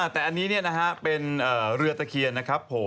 แต่อันนี้เป็นเรือตะเคียนนะครับผม